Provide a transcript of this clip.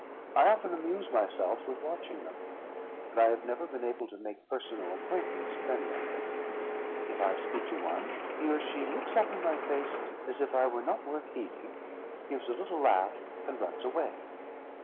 I often amuse myself with watching them, but I have never been able to make personal acquaintance with any of them. If I speak to one, he or she looks up in my face, as if I were not worth heeding, gives a little laugh, and runs away."